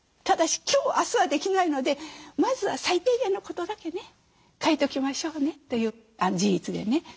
ただし今日明日はできないのでまずは最低限のことだけね書いときましょうね自筆でね。